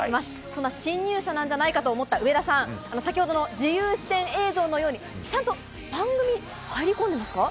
その侵入者なんじゃないかと思った上田さん、先ほどの自由視点映像のように、ちゃんと番組、入り込んでますか？